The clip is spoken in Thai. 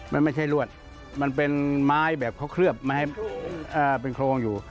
มันไม่ใช่รวดมันเป็นไม้แบบเขาเคลือบไม้เป็นโครงอยู่